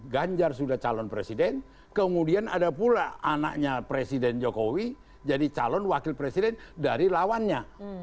ganjar sudah calon presiden kemudian ada pula anaknya presiden jokowi jadi calon wakil presiden dari lawannya